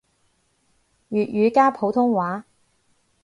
粵語加普通話